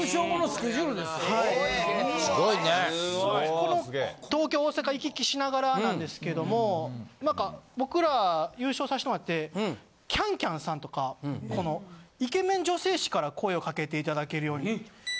この東京大阪行き来しながらなんですけども何か僕ら優勝させてもらって『ＣａｎＣａｍ』さんとかイケメン女性誌から声を掛けていただけるように。